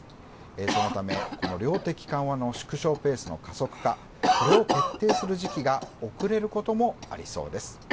そのため、この量的緩和の縮小ペースの加速化、これを決定する時期が遅れることもありそうです。